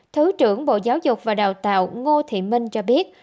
thứ trưởng bộ giáo dục và đào tạo ngô thị minh cho biết